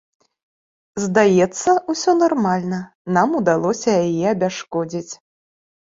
Здаецца, усё нармальна, нам удалося яе абясшкодзіць.